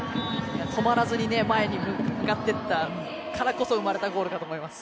止まらずに前に向かっていったからこそ生まれたゴールだと思います。